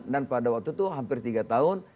dan pada waktu itu hampir tiga tahun